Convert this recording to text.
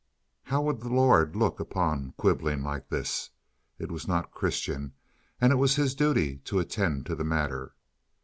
How would the Lord look upon quibbling like this? It was not Christian, and it was his duty to attend to the matter.